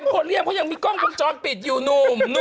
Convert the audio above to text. เอ็มโคนเลี่ยมเขายังมีกล้องพุงจรปิดอยู่